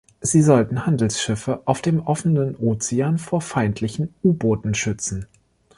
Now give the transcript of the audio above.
Sie sollten Handelsschiffe auf dem offenen Ozean vor feindlichen U-Booten schützen.